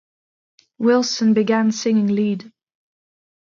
Wilson began singing lead.